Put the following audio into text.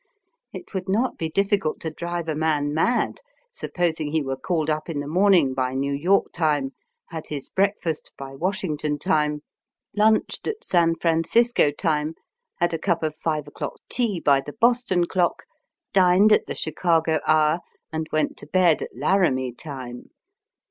It would not be difficult to drive a man mad, supposing he were called up in the morning by New Tork time, had his breakfast by Washington time, lunched at San Francisco time, had a cup of five o'clock tea by the Boston clock, dined at the Chicago hour, and went to bed at Laramie time.